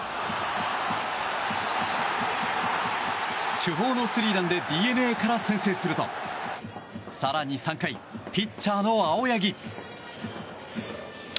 主砲のスリーランでＤｅＮＡから先制すると更に、３回、ピッチャーの青柳。